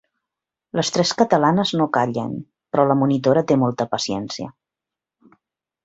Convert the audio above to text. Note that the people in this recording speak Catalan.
Les tres catalanes no callen, però la monitora té molta paciència.